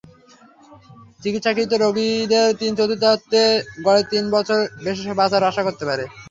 চিকিৎসাকৃত রোগীদের তিন-চতুর্থাংশ গড়ে তিন বছর বেশি বাঁচার আশা করতে পারে।